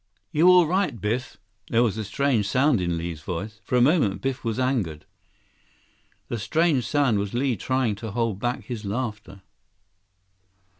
"You all right, Biff?" There was a strange sound in Li's voice. For a moment, Biff was angered. The strange sound was Li trying to hold back his laughter.